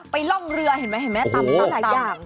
ไปล่องเรือตามหลายอย่าง